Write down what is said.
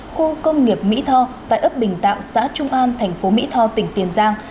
khu công nghiệp mỹ tho tại ấp bình tạo xã trung an thành phố mỹ tho tỉnh tiền giang